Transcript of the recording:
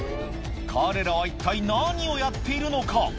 彼らは一体何をやっているのか？